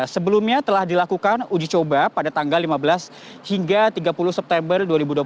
sebelumnya telah dilakukan uji coba pada tanggal lima belas hingga tiga puluh september dua ribu dua puluh satu